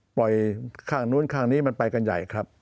ข้างนู้นข้างนี้มันไปกันใหญ่ครับ